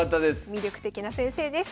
魅力的な先生です。